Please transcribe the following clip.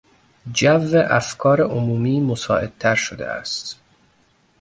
جو افکار عمومی مساعدتر شده است.